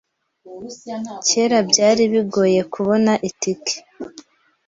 Kera, byari bigoye kubona itike.